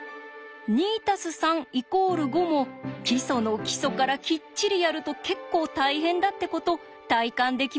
「２＋３＝５」も基礎の基礎からきっちりやると結構大変だってこと体感できましたね。